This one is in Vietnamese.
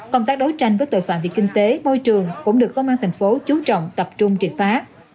công tác đấu tranh với tội phạm về kinh tế môi trường cũng được công an thành phố chú trọng tập trung triệt phá